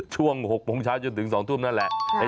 ช่วง๖โมงเช้าจนถึง๒ทุ่มนั่นแหละ